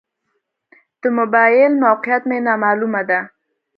د موبایل موقعیت مې نا معلومه ده.